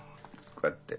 こうやって。